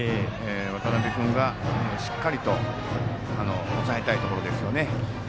渡邉君がしっかりと抑えたいところですよね。